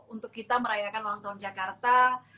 untuk kita merayakan ulang tahun jakarta